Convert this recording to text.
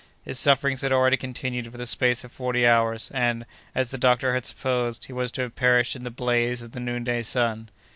His sufferings had already continued for the space of forty hours, and, as the doctor had supposed, he was to have perished in the blaze of the noonday sun.